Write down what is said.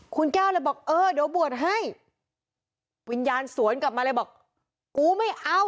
คุณแก้วเลยบอกเออเดี๋ยวบวชให้วิญญาณสวนกลับมาเลยบอกกูไม่เอา